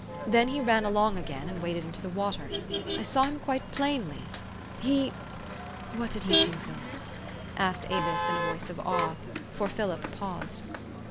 Then he ran along again, and waded into the water. I saw him quite plainly. He " "What did he do, Philip?" asked Avis in a voice of awe ; for Philip paused.